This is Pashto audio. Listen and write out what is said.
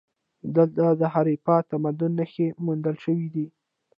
دلته د هراپا تمدن نښې موندل شوي دي